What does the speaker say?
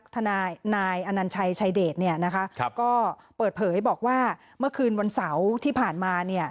ธนายนายอนัญชัยชายเดชเนี้ยนะคะครับก็เปิดเผยบอกว่าเมื่อคืนวันเสาร์ที่ผ่านมาเนี้ย